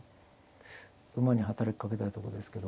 馬に働きかけたいとこですけど。